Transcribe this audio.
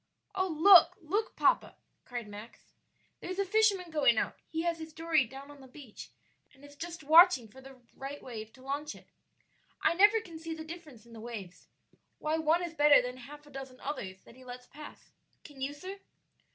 "Oh, look, look, papa!" cried Max; "there's a fisherman going out; he has his dory down on the beach, and is just watching for the right wave to launch it. I never can see the difference in the waves why one is better than half a dozen others that he lets pass. Can you, sir?"